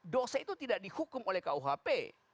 dosa itu tidak dihukum oleh kuhp